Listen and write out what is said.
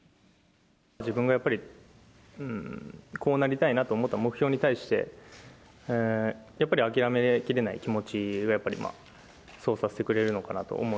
自分がやっぱりこうなりたいなと思った目標に対して、やっぱり、諦めきれない気持ちがやっぱり、そうさせてくれるのかなと思う。